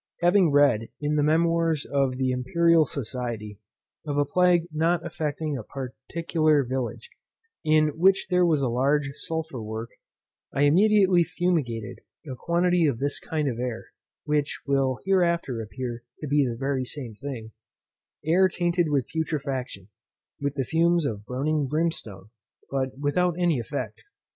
Having read, in the memoirs of the Imperial Society, of a plague not affecting a particular village, in which there was a large sulphur work, I immediately fumigated a quantity of this kind of air; or (which will hereafter appear to be the very same thing) air tainted with putrefaction, with the fumes of burning brimstone, but without any effect.